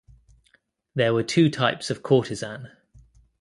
There were two types of courtesan.